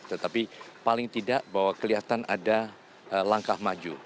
tetapi paling tidak bahwa kelihatan ada langkah maju